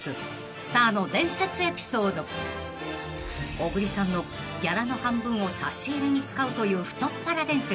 ［小栗さんのギャラの半分を差し入れに使うという太っ腹伝説］